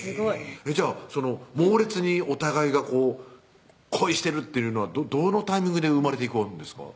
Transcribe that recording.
じゃあ猛烈にお互いが恋してるっていうのはどのタイミングで生まれていくんですか？